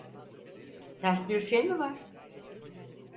Ters bir şey mi var?